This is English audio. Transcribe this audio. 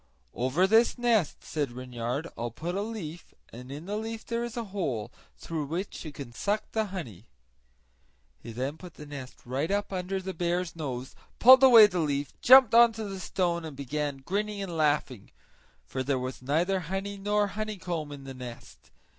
"Over this nest," said Reynard, "I'll put a leaf, and in the leaf there is a hole, through which you can suck the honey." He then put the nest right up under the bear's nose, pulled away the leaf, jumped on to the stone, and began grinning and laughing; for there was neither honey nor honeycomb in the nest.